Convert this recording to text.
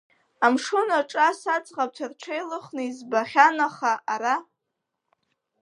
Амшын аҿы ас аӡӷабцәа рҽеилыхны избахьан, аха ара…